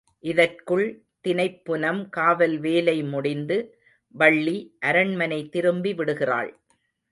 இதற்குள் தினைப்புனம் காவல் வேலை முடிந்து, வள்ளி அரண்மனை திரும்பி விடுகிறாள்.